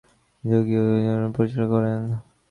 যোগী ঐ শক্তিরই পরিচালনা করেন।